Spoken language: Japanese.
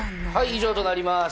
以上となります。